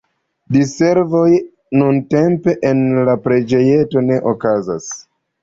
Diservoj nuntempe en la preĝejeto ne okazas.